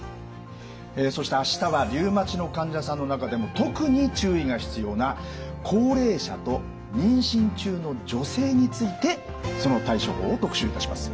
えそして明日はリウマチの患者さんの中でも特に注意が必要な高齢者と妊娠中の女性についてその対処法を特集いたします。